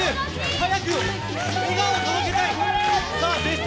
早く笑顔を届けたい！